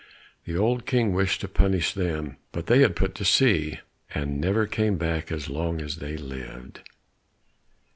The old King wished to punish them, but they had put to sea, and never came back as long as they lived.